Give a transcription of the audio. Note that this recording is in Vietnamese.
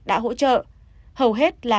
đã hỗ trợ hầu hết là